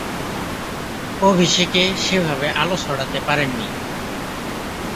অভিষেকে সেভাবে আলো ছড়াতে পারেননি।